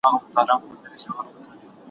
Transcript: زه به د هنرونو تمرين کړی وي!!